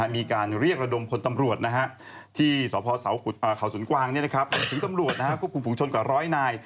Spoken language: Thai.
มีการเรียกระดมคนตำรวจที่สพเขาสนกวางรวมถึงตำรวจควบคุมฝุงชนกว่าร้อยนาย